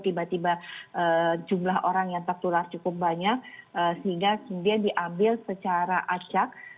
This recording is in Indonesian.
tiba tiba jumlah orang yang tertular cukup banyak sehingga kemudian diambil secara acak